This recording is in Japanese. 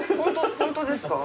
本当ですか？